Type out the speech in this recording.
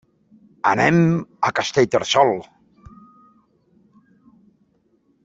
Anem a Castellterçol.